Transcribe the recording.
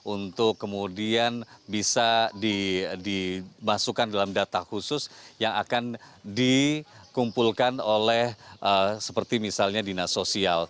untuk kemudian bisa dimasukkan dalam data khusus yang akan dikumpulkan oleh seperti misalnya dinas sosial